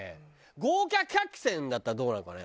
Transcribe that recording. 豪華客船だったらどうなのかね？